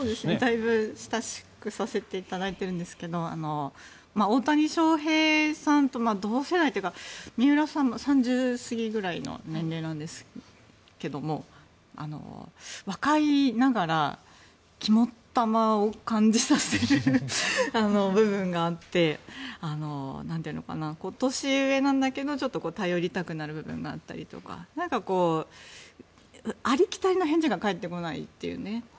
だいぶ親しくさせていただいてるんですけど大谷翔平さんと同世代というか水卜さんも３０過ぎくらいの年齢なんですが若いながら肝っ玉を感じさせる部分があって年上なんだけどちょっと頼りたくなる部分があったりとかなんかありきたりな返事が返ってこないというね。